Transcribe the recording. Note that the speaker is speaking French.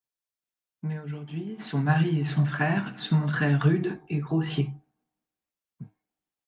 Mais aujourd’hui son mari et son frère se montraient rudes et grossiers.